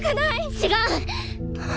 違う！